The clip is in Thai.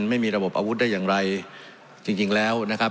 ไม่มีระบบอาวุธได้อย่างไรจริงจริงแล้วนะครับ